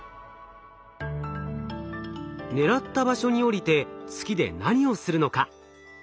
狙った場所に降りて月で何をするのか？